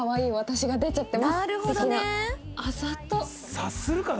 察するかな？